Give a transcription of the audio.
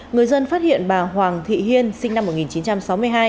người dân phát hiện bà hoàng thị hiên sinh năm một nghìn chín trăm sáu mươi hai